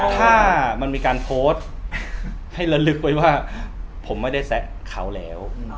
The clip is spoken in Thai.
ถ้ามันมีการโพสต์ให้ระลึกไว้ว่าผมไม่ได้แซะเขาแล้ว